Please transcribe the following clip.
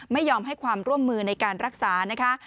ไม่ยอมให้ความร่วมมือในการรักษานะคะ